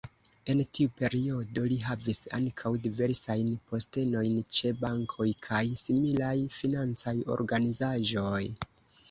En tiu periodo li havis ankaŭ diversajn postenojn ĉe bankoj kaj similaj financaj organizaĵoj.